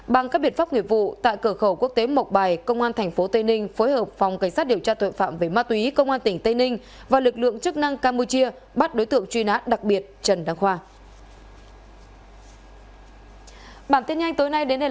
bằng các biệt pháp nghiệp vụ tại cửa khẩu quốc tế mộc bài công an tp tây ninh phối hợp phòng cảnh sát điều tra tội phạm về ma túy công an tỉnh tây ninh và lực lượng chức năng campuchia bắt đối tượng truy nã đặc biệt trần đăng khoa